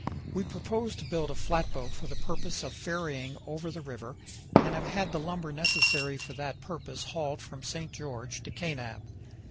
We propose to build a flatboat for the purpose of ferrying over the river, and have had the lumber necessary for that purpose hauled from St. George to Kanab.